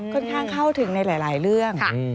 ค่อนข้างเข้าถึงในหลายเรื่อง